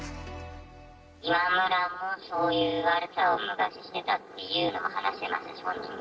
今村もそういう悪さを昔してたっていうのは話してましたし、本人が。